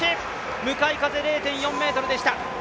向かい風０．４メートルでした。